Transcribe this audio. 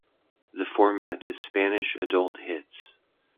The format is Spanish adult hits.